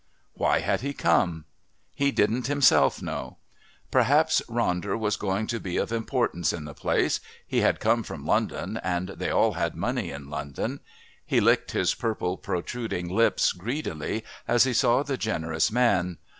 Why had he come? He didn't himself know. Perhaps Ronder was going to be of importance in the place, he had come from London and they all had money in London. He licked his purple protruding lips greedily as he saw the generous man.